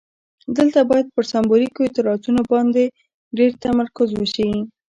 دلته باید پر سمبولیکو اعتراضونو باندې ډیر تمرکز وشي.